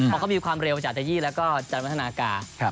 เพราะมีความเร็วจากอาจารย์ยี่และจันทนากา